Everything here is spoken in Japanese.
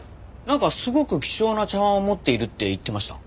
なんかすごく希少な茶碗を持っているって言ってました。